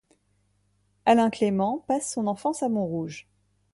Alain Clément passe son enfance à Montrouge.